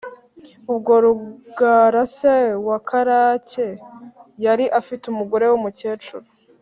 ubwo rugara se wa karake yari afite umugore w’umukecuru